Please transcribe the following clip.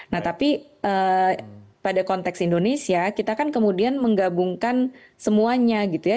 nah tapi pada konteks indonesia kita kan kemudian menggabungkan semuanya gitu ya